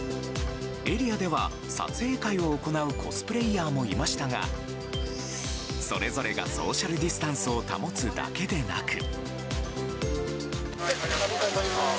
エリアでは撮影会を行うコスプレーヤーもいましたがそれぞれがソーシャルディスタンスを保つだけでなく。